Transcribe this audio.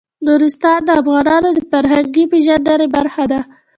نورستان د افغانانو د فرهنګي پیژندنې برخه ده.